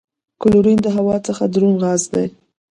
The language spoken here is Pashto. کلورین د هوا څخه دروند غاز دی.